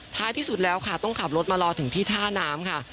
ท้ายที่สุดแล้วค่ะต้องขับรถมารอถึงที่ท่าน้ำค่ะ